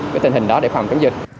cái tình hình này